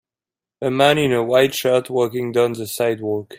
A man in a white shirt walking down the sidewalk